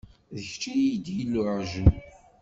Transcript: D kečč i yi-d-iluɛjen.